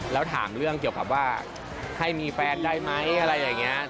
แล้วถามเรื่องเกี่ยวกับว่าให้มีแฟนได้ไหมอะไรอย่างนี้